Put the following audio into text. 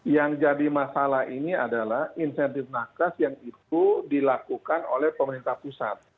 yang jadi masalah ini adalah insentif nakas yang itu dilakukan oleh pemerintah pusat